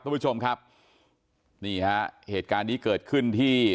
คุณผู้ชมครับนี่ฮะเหตุการณ์นี้เกิดขึ้นที่